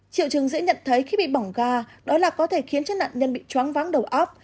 triệu chứng dễ nhận thấy khi bị bỏng ga đó là có thể khiến chất nặn nhân bị chóng vắng đầu óc